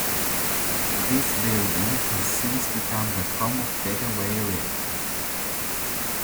This building has since become the home of Gateway Realty.